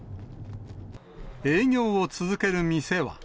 営業を続ける店は。